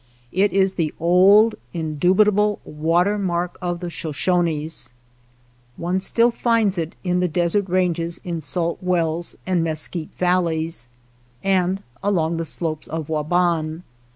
It is the old, indubitable water mark of the Sho shones. One still finds it in the desert ranges in Salt Wells and Mesquite valleys, and along the slopes of Waban.